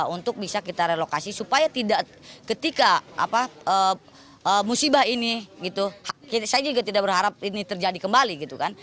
untuk bisa kita relokasi supaya tidak ketika musibah ini gitu saya juga tidak berharap ini terjadi kembali gitu kan